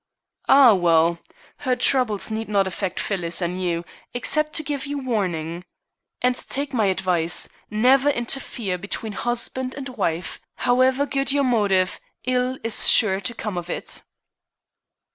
"Ah, well. Her troubles need not affect Phyllis and you, except to give you warning. And take my advice. Never interfere between husband and wife. However good your motive, ill is sure to come of it."